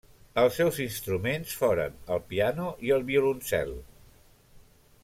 Els seus instruments foren el piano i el violoncel.